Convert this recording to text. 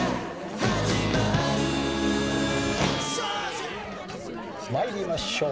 「始まる」参りましょう。